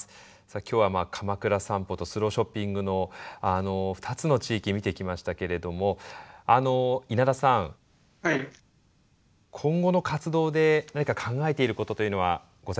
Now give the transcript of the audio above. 今日はかまくら散歩とスローショッピングの２つの地域見てきましたけれども稲田さん今後の活動で何か考えていることというのはございますか？